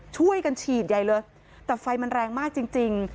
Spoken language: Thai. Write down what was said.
ช่วยกันฉีดได้เลยแต่ไฟมันแรงมากจริงจริง